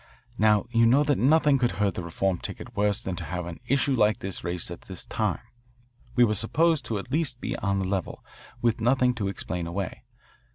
Now, you know that nothing could hurt the reform ticket worse than to have an issue like this raised at this time. We were supposed at least to be on the level, with nothing to explain away.